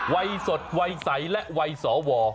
วัยสดวัยใสและวัยสว